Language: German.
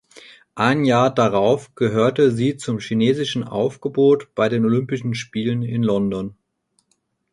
Ein Jahr darauf gehörte sie zum chinesischen Aufgebot bei den Olympischen Spielen in London.